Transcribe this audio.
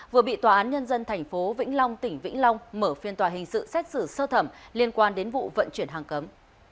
vừa bị tòa án nhân dân tp vĩnh long tỉnh vĩnh long mở phiên tòa hình sự xét xử sơ thẩm liên quan đến vụ vận chuyển hàng cấm